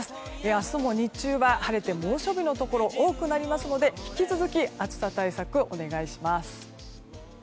明日も、日中は晴れて猛暑日のところが多くなりますので引き続き暑さ対策をお願いします。